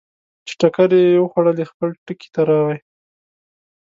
چې ټکرې یې وخوړلې، خپل ټکي ته راغی.